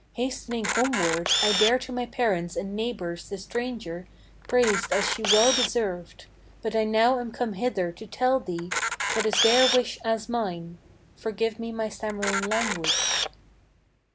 Hastening homeward, I there to my parents and neighbors the stranger Praised as she well deserved. But I now am come hither to tell thee What is their wish as mine. Forgive me my stammering language."